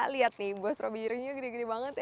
lihat nih buah stroberinya gini gini banget ya